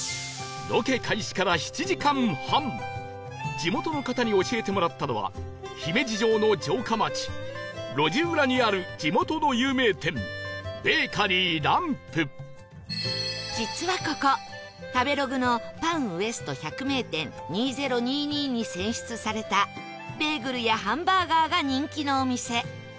地元の方に教えてもらったのは姫路城の城下町路地裏にある地元の有名店実はここ食べログの「パン ＷＥＳＴ 百名店２０２２」に選出されたベーグルやハンバーガーが人気のお店